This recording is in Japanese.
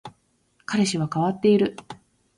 彼氏は変わっている